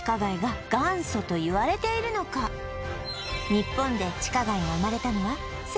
日本で地下街が生まれたのはそしてすると